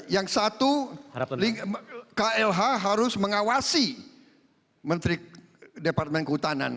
yang satu klh harus mengawasi menteri departemen kehutanan